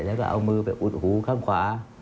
เอามือไปอุดหูข้างขวา